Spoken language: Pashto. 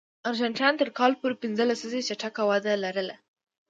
ارجنټاین تر کال پورې پنځه لسیزې چټکه وده لرله.